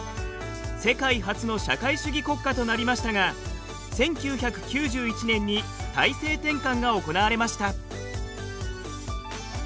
世界初の社会主義国家となりましたが１９９１年に体制転換が行われました。